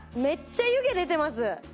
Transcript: めっちゃ湯気出てます。